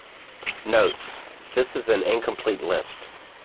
Notes: This is an incomplete list.